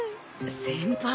先輩。